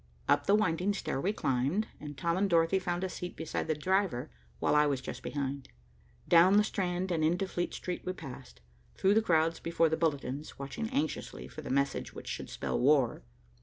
Up the winding stair we climbed, and Tom and Dorothy found a seat beside the driver, while I was just behind. Down the Strand into Fleet Street we passed, through the crowds before the bulletins, watching anxiously for the message which should spell "War."